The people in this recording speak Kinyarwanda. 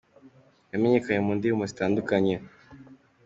yamenyekanye mu ndirimbo zitandukanye